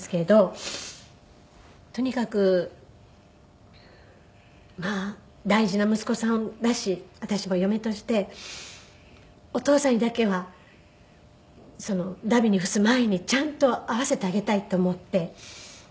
とにかくまあ大事な息子さんだし私も嫁としてお義父さんにだけは荼毘に付す前にちゃんと会わせてあげたいと思って。